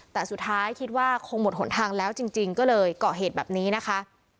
แต่สุดท้ายคิดว่าคงหมดหนทางแล้วจริงก็เลยเกาะเหตุแบบนี้นะคะ